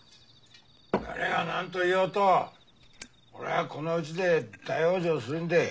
誰がなんと言おうと俺はこの家で大往生するんでい。